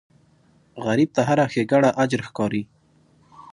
غریب ته هره ښېګڼه اجر ښکاري